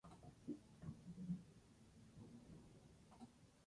Debe señalarse que existen diferentes grados de aspiración.